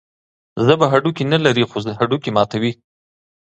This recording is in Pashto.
ژبه هډوکي نلري، خو هډوکي ماتوي.